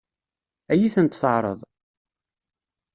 Ad iyi-tent-teɛṛeḍ?